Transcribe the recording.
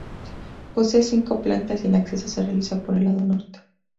Posee cinco plantas y el acceso se realiza por el lado norte.